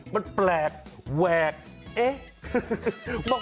มันแปลกแหวก